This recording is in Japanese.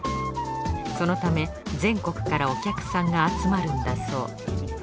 そのため全国からお客さんが集まるんだそう。